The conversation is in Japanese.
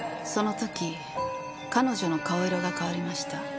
その時彼女の顔色が変わりました。